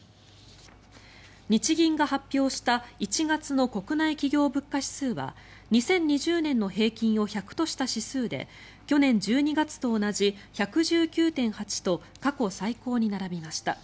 日銀が発表した１月の国内企業物価指数は２０２０年の平均を１００とした指数で去年１２月と同じ１１９．８と過去最高に並びました。